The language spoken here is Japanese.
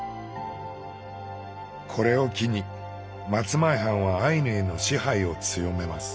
これを機に松前藩はアイヌへの支配を強めます。